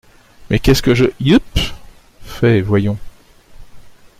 Mais qu’est-ce que je… yupp ! fais, voyons ?